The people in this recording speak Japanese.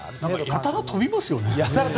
やたら飛びますよね。